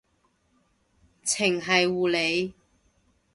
程繫護理